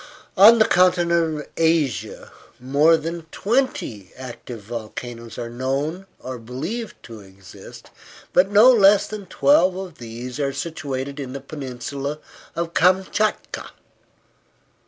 On the continent of Asia, more than twenty active volcanoes are known or believed to exist, but no less than twelve of these are situated in the peninsula of Kamchatka.